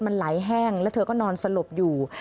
มันไหลแห้งแล้วเธอก็นอนสลบอยู่